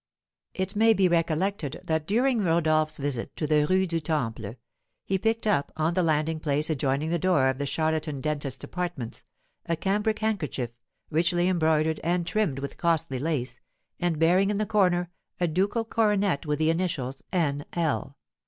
It may be recollected that, during Rodolph's visit to the Rue du Temple, he picked up, on the landing place adjoining the door of the charlatan dentist's apartments, a cambric handkerchief, richly embroidered and trimmed with costly lace, and bearing in the corner a ducal coronet with the initials "N. L."